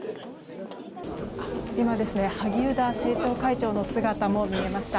今、萩生田政調会長の姿も見えました。